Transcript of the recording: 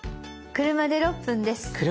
車で６分です。